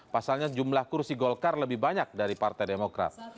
pasalnya jumlah kursi golkar lebih banyak dari partai demokrat